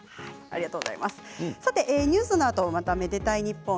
ニュースのあと「愛でたいｎｉｐｐｏｎ」